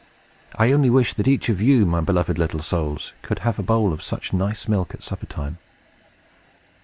I only wish that each of you, my beloved little souls, could have a bowl of such nice milk, at supper time!